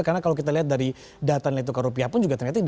karena kalau kita lihat dari data netokar rupiah pun juga terlihat efektif